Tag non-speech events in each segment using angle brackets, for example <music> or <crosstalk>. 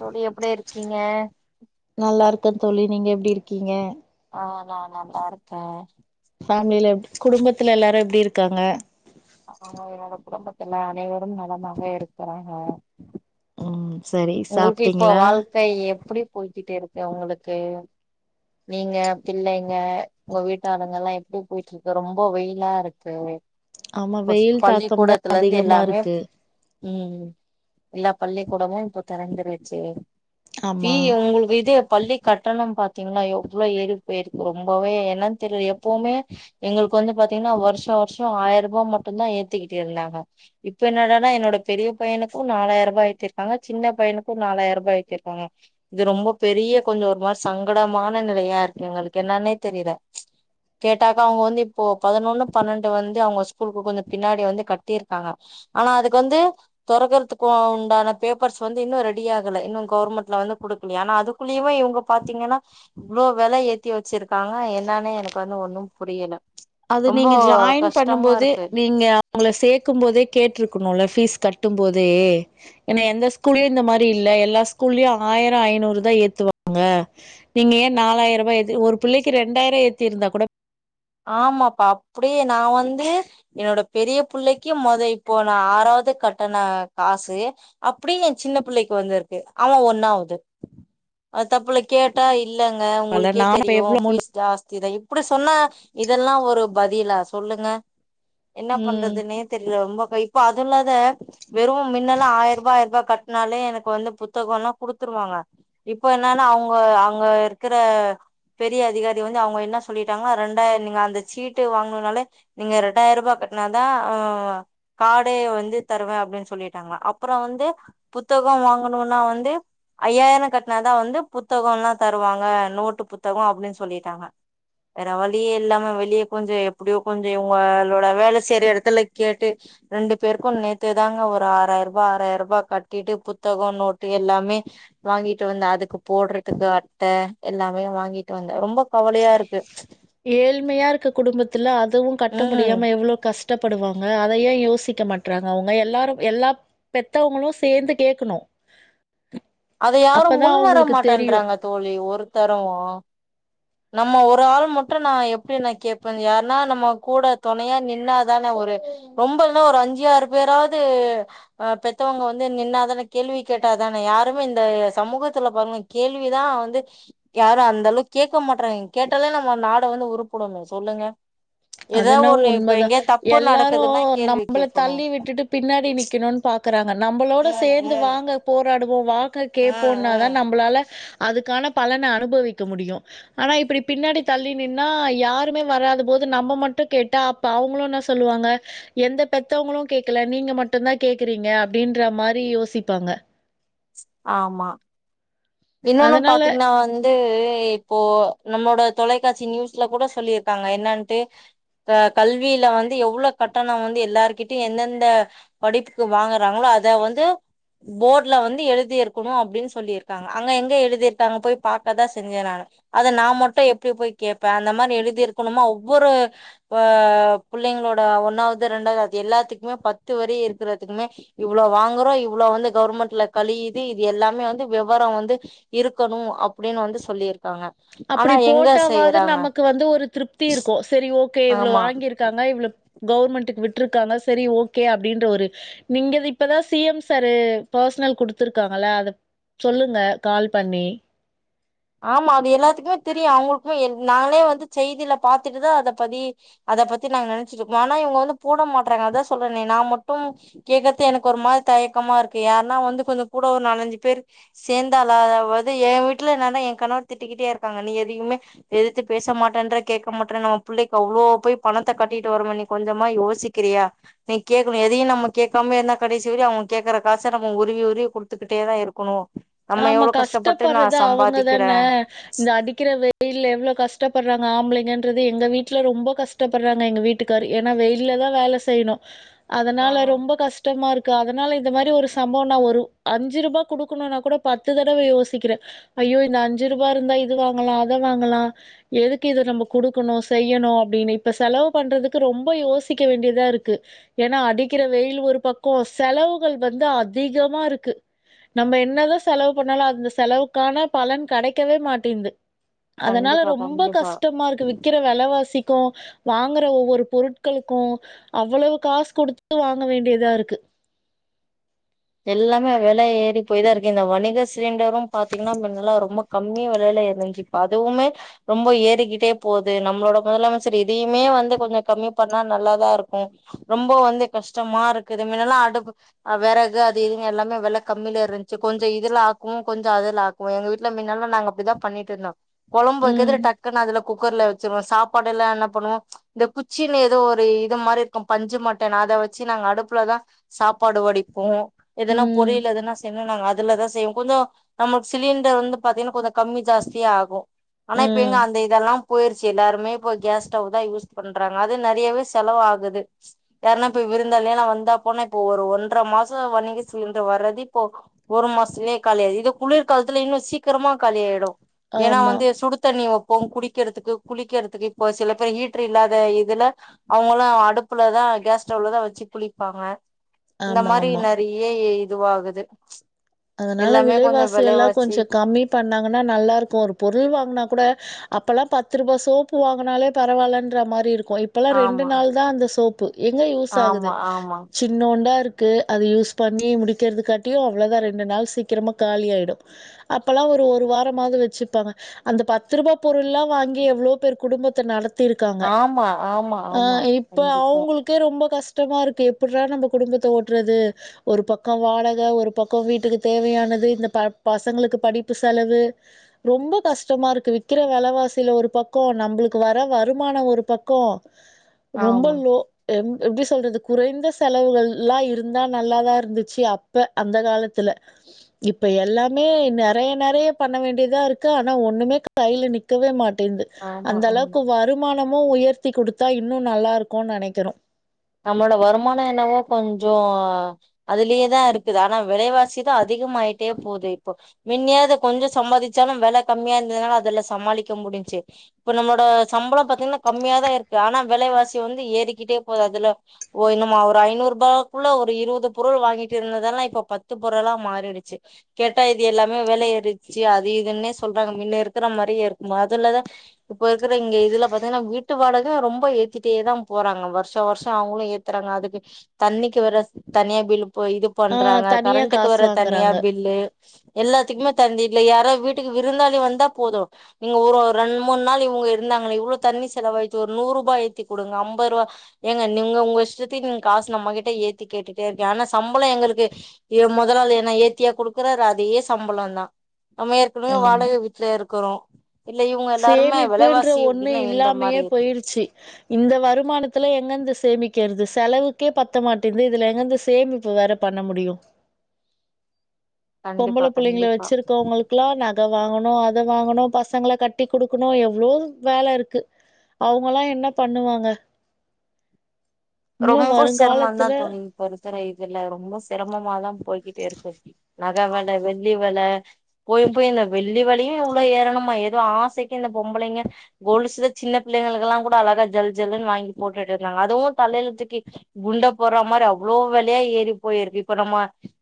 தோழி எப்படி இருக்கீங்க நல்லா இருக்கே தோழி நீங்க எப்டி இருக்கீங்க ஆஹ நான் நல்லார்க்கேன் ஃபேமிலியில எ குடும்பத்துல எல்லாரும் எப்டி இருக்காங்க ஆஹ என்னோட குடும்பத்துல அனைவரும் நலமாக இருக்கறாங்க ம் சரி உங்களுக்கு இப்ப சாப்ட்டீங்களா வாழ்க்கை எப்படி போய்கிட்டு இருக்க உங்களுக்கு நீங்க பிள்ளைங்க உங்க வீட்டாளுங்க எல்லாம் எப்டி போயிட்டு இருக்கு ரொம்ப வெயிலா இருக்கு ஆமா இப்ப வெயில் தாக்கம் தான் அதிகமா இருக்கு உம் எல்லா பள்ளிக்கிக்கூடமும் இப்ப தெறந்துருச்சு ஆமா <unintelligible> உங்ளுக்கு இது பள்ளி கட்டணம் பாத்தீங்கன்னா எவ்ளோ ஏறி போயிருக்கு ரொம்பவே என்னான்னு தெரியல எப்பவுமே எங்களுக்கு வந்து பாத்தீங்கன்னா வருஷம் வருஷம் ஆயிரம் ரூபாய் மட்டும்தான் ஏத்திக்கிட்டு இருந்தாங்க இப்ப என்னடான்னா என்னோட பெரிய பையனுக்கும் நாலாயிரம் ரூபாய் ஏத்திருக்காங்க சின்ன பையனுக்கும் நாலாயிரம் ரூபாய் ஏத்திருக்காங்க இது ரொம்ப பெரிய கொஞ்சம் ஒரு மாதிரி சங்கடமான நிலையா இருக்கு எங்களுக்கு என்னன்னே தெரியல கேட்டாக்கா அவங்க வந்து இப்போ பதினொன்னு பன்னெண்டு வந்து அவங்க ஸ்கூலுக்கு கொஞ்சம் பின்னாடி வந்து கட்டியிருக்காங்க ஆனா அதுக்கு வந்து தொறக்கறதுக்கு உண்டான பேப்பர்ஸ் வந்து இன்னும் ரெடி ஆகல இன்னும் கவர்மெண்ட்ல வந்து குடுக்கல ஆனா அதுக்குள்ளயே இவுங்க பாத்தீங்கன்னா இவ்ளோ வெலை ஏத்தி வச்சிருக்காங்க என்னானே எனக்கு வந்து ஒன்னும் புரியல அது ரொம்ப நீங்க ஜாயின் பண்ணும் கஷ்டமா போது இருக்கு நீங்க அவுங்கள சேர்க்கும் போதே கேட்டிருக்கணும்ல பீஸ் கட்டும் போதே ஏங்க எந்த ஸ்கூல்லையும் இந்த மாதிரி இல்ல எல்லா ஸ்கூல்லையும் ஆயிரம் ஐநூறுதான் ஏத்துவாங்க நீங்க ஏன் நாலாயிரம் ரூபாய் ஏத் ஒரு பிள்ளைக்கு ரெண்டாயிரம் ஏத்தி இருந்தா கூட ஆமாப்பா அப்டியே நான் வந்து என்னோட பெரிய பிள்ளைக்கு முத இப்போ நான் ஆறாவது கட்டண காசு அப்டியே என் சின்ன பிள்ளைக்கு வந்திருக்கு அவன் ஒண்ணாவது அது தப்புல கேட்டா இல்லங்க பரவால்ல உங்களுக்கே நானு இப்ப தெரியும் எவ்ளோ அமௌண்ட் பஃபீஸ் ஜாஸ்தி தான் இப்டி சொன்னா இதெல்லாம் ஒரு பதிலா சொல்லுங்க என்ன ம் பண்றதுன்னே தெரியல ரொம்ப இப்ப அது இல்லாத வெறும் மின்னல்லாம் வெறும் ஆயாருப்பா ஆயாருப்பா கட்டினாலே எனக்கு வந்து புத்தகம் எல்லாம் குடுத்துருவாங்க இப்ப என்னன்னா அவங்க அங்க இருக்கிற பெரிய அதிகாரி வந்து அவங்க என்ன சொல்லிட்டாங்கன்னா ரெண்டு அந்த சீட்டு வாங்கனால நீங்க இரண்டாயிரம் ரூபாய் கேட்டானாதான் ம்ம் கார்டே வந்து தருவேன் அப்டின்னு சொல்லிட்டாங்க அப்பறம் வந்து புத்தகம் வாங்கும்னா வந்து ஐயாயிரம் கட்னாதான் வந்து புத்தகம்ல்லாம் தருவாங்க நோட்டு புத்தகம் அப்படனு சொல்லிட்டாங்க வேற வழியே இல்லாம வெளியே கொஞ்சம் எப்டியோ கொஞ்சம் இங்களோட வேல செய்ற இடத்துல கேட்டு ரெண்டு பேருக்கும் நேத்தேதாங்க ஒரு ஆறாயிரம் ரூபாய் ஆறாயிரம் ரூபாய் கட்டிட்டு புத்தகம் நோட்டு எல்லாமே வாங்கிட்டு வந்தேன் அதுக்கு போடுறதுக்கு அட்ட எல்லாமே வாங்கிட்டு வந்தே ரொம்ப கவலையா இருக்கு ஏழ்மையா இருக்க குடும்பத்துல அது வும் கட்ட ம் முடியாம எவ்வளவு கஷ்டப்படுவாங்க அதய யோஸ் யோசிக்க மாட்டறாங்க அவங்க எல்லாரும் எல்லா பெத்தவங்களும் சேர்ந்து கேட்கணும் அத யாரும் அப்பதான் முன் வர அவங்களுக்கு தெரியும். மாட்டேன்றறாங்க தோழி ஒரு தரும் நம்ம ஒரு ஆள் மட்டும் நான் எப்படி நான் கேபேன் யாருன்னா நம்ம கூட துணையா நின்னாதானே ஒரு ரொம்ப இனா ஒரு அஞ்சு ஆறு பேராவது அஹ் பெத்தவங்க வந்து நின்னாதானே கேள்வி கேட்டாதானே யாருமே இந்த சமூகத்துல பாங்க கேள்விதான் வந்து யாரும் அந்த அளவுக்கு கே கேக்கும் மாட்டறாங்க கேட்டாலே நம்ம நாடு வந்து உருப்புடும் சொல்லுங்க ஏதா அதுனா ஒண்ணு இப்ப உண்ம தான் எங்கயா தப்பு நடக்குதுன்னா எல்லாரும் கேள்வி நம்மள கேட்கணு தள்ளி விட்டுட்டு பின்னாடி நிக்கணும்னு பா நம்மளோட ம் சேர்ந்து ம் வாங்க போராடும் வாங் மக்கள் கேப்போம் ம் ம் இன்னாதான் நம்மளால அதுக்கான பலன அனுபவிக்க முடியும் ஆனா இப்புடி பின்னாடி தள்ளி நின்னா யாருமே வராத போது நம்ம மட்டும் கேட்டா அப்ப அவங்களும் என்ன சொல்லுவாங்க எந்த பெத்தவங்களும் கேடக்கல நீங்க மட்டும்தான் கேக்குறீங்க அப்டின்ற மாரி யோசிப்பாங்க ஆமா இன்னொன்னு அதனால பாத்தீங்கன்னா வந்து இப்போ நம்மளோட தொலைக்காட்சி நியூஸ்ல கூட சொல்லியிருக்காங்க என்னட்டு கல்வியில வந்து எவ்வளவு கட்டணம் வந்து எல்லாருகிட்டயு எந்தெந்த படிப்புக்கு வாங்குறாங்களோ அத வந்து போர்ட்ல வந்து எழுதியிருக்கணும் அப்படின்னு சொல்லியிருக்காங்க அங்க எங்க எழுதியிருங்க போய் பாக்கதான் செஞ்சேன் நானு அத நான் மட்டும் எப்படி போய் கேடப்பேன் அந்த மாதிரி எழுதி ருக்கணுமா ஒவ்வொரு பிள்ளைங்களோட ஒண்ணாவது ரெண்டாவது அது எல்லாத்துக்குமே பத்து வரி இருக்கறிறதுக்குமே இவ்ளோ வாங்குறோம் இவளோ வந்து கவர்மெண்ட்ல கழியுது இது எல்லாமே வந்து விவரம் வந்து இருக்கணும் அப்படின்னு வந்து சொல்லியிருக்காங்க அப்படி ஆனா எங்க போட்டாவது செய்யறாங்க நமக்கு வந்து ஒரு திருப்தி இருக்கும் சரி ஓகே இவ்வளவு ஆமா வாங்கியிருக்காங்க இவ்ளவு கவுர்மெண்ட்டக்கு விட்டுிருக்காங்க சரி ஓகே அப்படின்ற ஒரு நீங்க இப்பதான் சிஎம் சரு பர்சனல் குடுத்துருக்காங்கள அத சொல்லுங்க கால் பண்ணி ஆமா அது எல்லாத்துக்குமே தெரியும் அவங்களுக்கும் நானே வந்து செய்தியில பாத்துட்டுதான் அத பதி அத பத்தி நாங்க நெனைச்சுட்டு இருக்கோம் ஆனா இவங்க வந்து போட மாட்டறாங்க அதான் சொல்றேன் நான் மட்டும் கேக்குறது எனக்கு ஒரு மாரி தயக்கமா இருக்கு யாருன்னா வந்து கொஞ்சம் கூட ஒரு நாலஞ்சு பேர் சேர்ந்தாலதாவது என் வீட்டுல என் கணவர் திட்டக்கிட்டே இருக்காங்க நீ எதவுமே எதிர்த்து பேச மாட்டேன்ற கேட்க மாட்டே நம்ம பிள்ளைக்கு அவ்வளோ போய் பணத்த கட்டிட்டு வரோ நீ கொஞ்சமா யோசிக்கிறியா நீ கேகணும் எதையும் நம்ம கேட்காமே இருந்தா கடைசி விரயும் அவங்க கேக்குற காச நம்ம உருவி உருவி குடுத்துக்கிட்டே தான் இருக்கணும் ஆமா கஷ்டப்படுறது அவங்கதான சம்பாதிக்கிறே ன்ன இந்த அடிக்கிற வெயில எவ்வளவு கஷ்டப்படுறாங்க ஆம்பள ங்கது எங்க வீட்டுல ரொம்ப கஷ்டப்படுறாங்க எங்க வீட்டுக்காரு ஏன்னா வெயிலதான் வேல செய்யணும் ஆ அதனால ரொம்ப கஷ்டமா இருக்கு அதனால இந்த மாதிரி ஒரு சம்பவம் நான் ஒரு அஞ்சு ரூபாக்கூட கொடுக்கணும்னா கூட பத்து தடவ யோசிக்கிறேன் ஐயோ இந்த அஞ்சு ரூபா இருந்தா இது வாங்கலாம் அத வாங்கலாம் எதுக்கு இத நம்ம கொடுக்கணும் செய்யணும் அப்படினு இப்ப செலவு பண்றதுக்கு ரொம்ப யோசிக்க வேண்டியதா இருக்கு ஏன்னா அடிக்கிற வெயில் ஒரு பக்கம் செலவுகள் வந்து அதிகமா இருக்கு நம்ம என்னதான் செலவு பண்ணாலும் அந்த செலவுக்கான பலன் கிடக்கவே மாட்டேங்கிது அதனால கண்டிப்பா ரொம்ப கண்டிப்பா கஷ்டமா இருக்கு விக்கிற விலவாசி கொ வாங்குற ஒவ்வொரு பொருட்களுக்கும் அவ்வளவு காசு கொடுத்து வாங்க வேண்டியதா இருக்கு எல்லாமே வேல ஏறி போய்தான் இருக்கு இந்த விழைவசி சிலிண்டரும் பாத்தீங்கன்னா முன்னல்லா ரொம்ப கம்மிய விலயில இருஞ்சுப்ப அதுவுமே ரொம்ப ஏறிக்கிட்டே போகுது நம்மளோட முதலமைச்சர இதையுமே வந்து கொஞ்சம் கம்மி பண்ணா நல்லாதான் இருக்கும் ரொம்ப வந்து கஷ்டமா இருக்கு இது மினல்லாம் அடு் விறகு இதுங்க எல்லாமே வில கம்மில இருந்துச்சு கொஞ்சம் இதுல ஆக்குக்கும் கொஞ்சம் அதுல ஆக்குக்கும்வும் எங்க வீட்டுல முன்னாலாம் நாங்க அப்டிதான் பண்ணிட்டு இருந்தோம் கொழம்பு ம். வைக்கிறதுதுல டக்குனு அதுல குக்கர்ல வச்சிருவோ சாப்பாடு எல்லா என்ன பண்ணுவோ இந்த குச்சின்னு ஏதோ ஒரு இது மாரி இருக்கும் பஞ்சு மட்டைன்னு அத வச்சு நாங்க அடுப்புலதா சாப்பாடு வடிப்போ எதனா ம். பொரியல் எதுனா சன்ன நாங்க அதுலதா செய்வோ கொஞ்சோ நம்மளுக்கு சிலிண்டர் வந்து பாத்தீங்கன்னா கொஞ்ச கம்மி ஜாஸ்தியா ஆகு ஆனா இப்ப ம். எங்க அந்த இதெல்லா போயிருச் எல்லாருமே இப்ப கேஸ் ஸ்டவ்தா யூஸ் பண்றாங்க அது நெறையவே செலவு ஆகுது யாருன்னா இப்ப விருந்தாளி எல்லா வந்தா போனா இப்ப ஒரு ஒன்ர மாசோ <unintelligible> சிலிண்ட்ரு வர்றது இப்போ ஒரு மாசத்துலயே காலியாயிடு இது குளிர்காலத்துல இன்னு சீக்கிரமா காலியாயிடு ஏன்னா ஆமா. வந்து சுடுதண்ணிய இப்ப குடிக்கிறதுக்கு இப்ப குளக்கிறதுக்கு குளிக்கிறதுக்கு இப்போ சில பேர் ஹீடர் இல்லாத இதுல அவங்களும் அடுப்புலதான் கேஸ் ஸ்டவ்லதான் வச்சு குளிப்பாங்க இந்த மாரி ஆமாமா. நெறை ஏய இது ஆகுது அதனால விலைவாசி எல்லாம் கொஞ்சோ கம்மி பண்ணாங்கன்னா நல்லா இருக்கு ஒரு பொருள் வாங்குனா கூட அப்பெல்லா பத்து ரூபா சோப்பு வாங்குனாலே பரவால்லன்ற மாரி இருக் இப்பல்லாம் ரெண்டு ஆமா நாள் தான் அந்த சோப்பு எங்க யூஸ் ஆகுது ஆமா ஆமா சின்னூண்டா இருக் அது யூஸ் பண்ணி முடிக்கிறதுதுக்காட்டியும் அவ்வளோ தான் நாள் சீக்கிரமா காலி ஆயிடும் அப்பல்லாம் ஒரு வாராவது வச்சுப்பாங்க அந்த பத்து ரூபாய பொருள்ளாம் வாங்கி எவ்வளோ பேர் குடும்பத்தை நடத்த ட்ருக்காங்க ஆமா ஆமா ஆ ஆமா இப்ப கண்டிப்பா அவங்களுக்கே ரொம்ப கஷ் கஷ்டமா இருக்கு எப்பட்றா நம்ப குடும்பத்த ஓட்றது ஒரு பக்கம் வாடகை ஒரு பக் க்கோ வீட்டுக்கு தேவையானது இந்த ப பசங்களுக்கு படிப்பு செலவு ரொம்ப கஷ்டமா இருக்கு விக்கற வெலைவாசில ஒரு பக்கோ நம்பளுக்கு வர வருமானோ ஒரு பக்கோ ரொம்ப ஆமா லோ எப்டி சொல்றது குறைந்த செலவுகள் எலாம் இருந்தா நல்லாதான் இருந்துச்சு அப்ப அந்த காலத்து ல இப்ப எல்லாமே நெறைய நெறைய பண்ண வேண்டியதா இருக்கு ஆனா ஒண்ணுமே கையில நிக்கவே மாட் டிந்து ஆமா அந்த ஆமா அளவுக்கு வருமான ன்னு உயர்த்தி குடுத்தா இன்னு நல்லா இருக்குன்னு நெனைக்கிறோ நம்மளோட வருமானோ என்னவோ கொஞ்சோ அதுலயேதா இருக்குது ஆனா விலைவாசிதா அதிகமாயிட்டே போகுது இப்போ மின்னியாது கொஞ்ச சம்பாதிச்சாலு வெல கம்மியா இருந்ததுனால அதுல சமாளிக்க முடிஞ்ச்சு இப்ப நம்மோட சம்பளம் பாத்தீங்கன்னா கம்மியாதா இருக்கு ஆனா விலைவாசி வந்து ஏறிக்கிட்டே போது அதுல ஓ என்னம்மா ஒரு ஐநூறுரூபாக்குள்ள ஒரு இருபது பொருள் வாங்கிட்டு இருந்ததெல்லா இப்ப பத்து பொருளா மாறிடுச்சு கேட்டா இது எல்லாமே வெல ஏறிடுச்சு அது இதுன்னே சொல்றாங்க மின்ன இருக்கிற மாரியே இருக்குமா அதுலதா இப்ப இருக்குற இங்க இதுல பாத்தீங்கன்னா வீட்டு வாடகை ரொம்ப ஏத்திட்டேதா போறாங்க வருஷா வருஷ் ட்ட அவுங்களு ஏத்துறாங்க அதுக்கு தண்ணிக்கு வேற தனியா பில்லு இப்ப இது ஆ பண்றாங்க தனியா கரண்ட்டுக்கு காசு வற தனியா வாங்குறாங்க பில்லு எல்லாத்துக்குமே தண்ணி இல்ல யாரா வீட்டுக்கு விருந்தாளி வந்தா போது நீங்க ஒரு ரெண்டு மூணு நாள் இவங்க இருந்தாங்களே இவ்ளோ தண்ணி செலவாயிச்சு ஒரு நூறு ரூபா ஏத்தி குடுங்க அம்பது ரூபா ஏங்க நீங்க உங்க இஷ்டத்திக்கி நீங்க காசு நம்ம கிட்ட ஏத்தி கேட்டுட்டே இருக்கே ஆனா சம்பளம் எங்களுக்கு ஏன் மொதலாளி என்னா ஏத்தியா குடுக்குறாரு அதே சம்பளம்தா நம்ம ஏற்கனவே ஆமா வாடகை வீட்ல இருக்குறோ இல்ல இவங்க எல்லாருமே சேமிப்புன்ற விலைவாசி ஒண்ணு அப்டின்னு இந்த இல்லாமயே மாரி இருக்கு போயிருச்சு இந்த வருமானத்துல எங்கந்து சேமிக்கிறது செலவுக்கே பத்த மாட்டேந்து இதுல எங்கேர்ந்து சேமிப்பு வேற பண்ண முடியு பொம்பள கண்டிப்பா புள்ளைங்களை கண்டிப்பா வச்சிருக்கவங்களுக்கெல்லா நக வாங்கணு அ நக வாங்கணு பசங்கள கட் ட்டிக் குடுக்கணு எவ்ளோ வேல இருக்கு அவங்கல்லா என்ன பண்ணுவாங்க இன்னு ரொம்ப சிரமந்தா வருங்காலத்துல தோழி இப்ப இருக்குற இத் இல்ல ரொம்ப சிரமமாதா போய்க்கிட்டே இருக்கு நக வெல வெள்ளி வெல போயும் போய் இந்த வெள்ளி வெலையு இவ்ளோ ஏறணுமா ஏதோ ஆசைக்கி இந்த பொம்பளைங்க கொலுசு சின்ன பிள்ளைங்களுக்கு எல்லா கூட அழகா ஜல் ஜல்ன்னு வாங்கி போட்டுட்டு இருந்தாங்க அதுவு தலையெழுத்துக்கு குண்ட போட்றா மாரி அவ்ளோ வெலையா ஏறிப் போயிருக்கு இப்ப நம்ம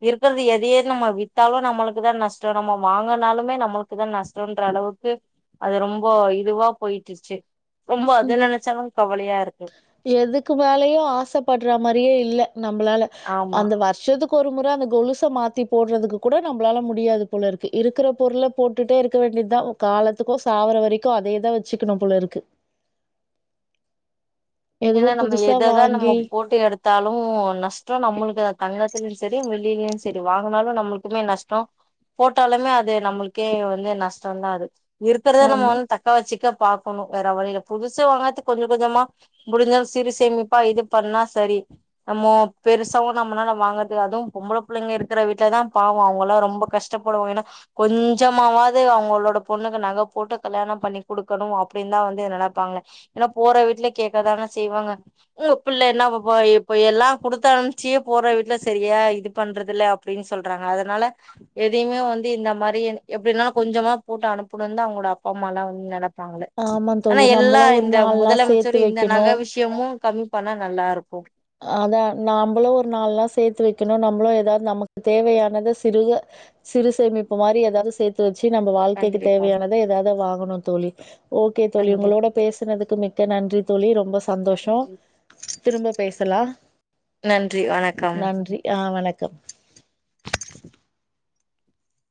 இருக்கிறது எதையே நம்ம வித்தாலு நம்மளுக்குதா நஷ்டோ நம்ம வாங்குனாலுமே நம்மளுக்குதா நஷ்டோன்ற அளவுக்கு அது ரொம்ப இதுவா போயிட்டுருச்சு ரொம்ப அது ம் நெனைச்சாதா கவலையா இரு எதுக்கு வேலையு ஆசைப்படுறா மாரியே இல்ல நம்பளால ஆமா அந்த வருஷத்துக் ஒரு முறை அந்த கொலுசை மாத்தி போடுறதுக்கு கூட நம்மளால முடியாது போல இருக்கு இருக்கிற பொருள போட்டுட்டே இருக்க வேண்டியதுதான் காலத்துக்கோ சாவரவரைக்கும் அதேதான் வச்சுக்கணும்போலயிருக்கு. ஏன்னா நம்ம எததா நம்ம போட்டு எடுத்தாலு நஷ்டோ நம்மளுக்குதா தங்கத்துலயு சரி வெ வெள்ளியு சரி வாங்குனாலு நம்மளுக்குமே நஷ்டோ போட்டாலுமே அது நம்மளுக்கே வந்து நஷ்டந்தா அது இருக்கிறத நம்ம ஆமா வந்து தக்க வச்சுக்க பாக்கணு வேற வழியில புதுசு வாங்கறதுக்கு கொஞ்ச கொஞ்சமா முடிஞ்சல் சிறு சேமிப்பா இது பண்ணா சரி நம்ம பெருசாவும் நம்மளால வாங்கறது அதுவும் பொம்பளை பிள்ளைங்க இருக்கிற வீட்டுலதான் பாவோம் அவங்கல்லாம் ரொம்ப கஷ்டப்படுவாங்க ஏன்னா கொஞ்சமாவது அவங்களோட பொண்ணுக்கு நகை போட்டு கல்யாணம் பண்ணி கொடுக்கணும் அப்படின்னு தான் வந்து நினைப்பாங்க ஏன்னா போற வீட்டுல கேக்கதான செய்வாங்க உம் பிள்ள என்ன இப்ப இப்ப எல்லா குடுத்து அனுப்ச்சியே போற வீட்ல சரியா இது பண்றதில்ல அப்டின்னு சொல்றாங்க அதனால எதையுமே வந்து இந்த மாரி எப்டின்னாலு கொஞ்சமா போட்டு அனுப்பனுந்தா அவங்களோட அப்பா அம்மாலா வந்து நெனப் தாங்கல ஆமா ஆனா தோழி எல்லா நம்மளு ஒரு இந்த நாள்லா முதலமைச் சேத்து இ இந்த வைக்கணு நக விஷியமு இன்னு கம்மி பண்ணா நல்லா இருக்கு அதா நாம்பளு ஒரு நாலணா சேத்து வைக்கணு நம்மளு ஏதாவது நமக்கு தேவையானத சிறுக சிறு சேமிப்பு மாரி ஏதாவது சேத்து வைக் ச்சு நம்ப வாழ்க்கைக்குத் கண்டிப்பா தேவையானத ஏதாவது வாங்கணு தோழி ஓகே தோழி கண்டிப்பா உங்களோட பேசுனதுக்கு மிக் மிக்க நன்றி தோழி ரொ ரொம்ப சந்தோஷோ திரும்ப பேசலா நன்றி வணக்கம் க்கம்